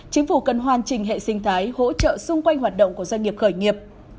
chính phủ cần hoàn chỉnh hệ sinh thái hỗ trợ xung quanh hoạt động của doanh nghiệp khởi nghiệp